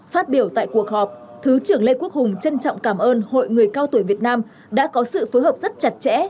phát biểu tại cuộc họp thứ trưởng lê quốc hùng trân trọng cảm ơn hội người cao tuổi việt nam đã có sự phối hợp rất chặt chẽ